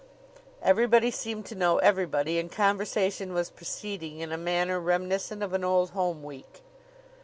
Everybody seemed to know everybody and conversation was proceeding in a manner reminiscent of an Old Home Week.